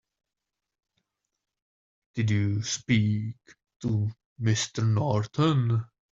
Did you speak to Mr. Norton?